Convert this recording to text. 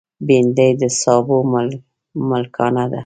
بېنډۍ د سابو ملکانه ده